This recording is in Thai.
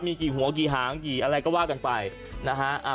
มีกี่หัวกี่หางกี่อะไรก็ว่ากันไปนะฮะ